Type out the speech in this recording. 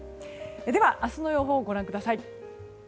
では、明日の予報をご覧ください。